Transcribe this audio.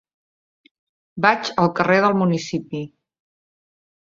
Vaig al carrer del Municipi.